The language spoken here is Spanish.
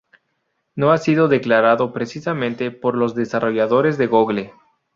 No ha sido declarado precisamente por los desarrolladores de Google.